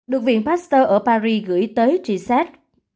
được viện pasteur ở paris gửi tới trị xét